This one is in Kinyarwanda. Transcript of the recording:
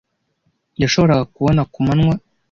yashoboraga kubona ku manywa.